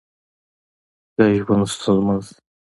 که ژوند ستونزمن شي